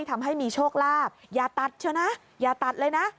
ทำให้มีโชคลาภอย่าตัดเถอะนะอย่าตัดเลยนะ